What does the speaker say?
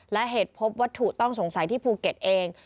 และเหตุพบวัตถุต้องสงสัยที่ภูเก็ตเอง